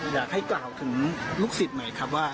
อยากให้กล่าวถึงลูกศิษย์หน่อยครับว่า